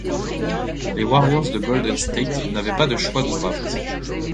Les Warriors de Golden State n'avaient pas de choix de draft.